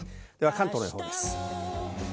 各地の予報です。